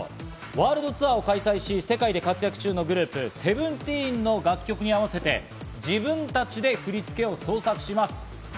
ワールドツアーを開催し、世界で活躍中のグループ、ＳＥＶＥＮＴＥＥＮの楽曲に合わせて自分たちで振り付けを創作します。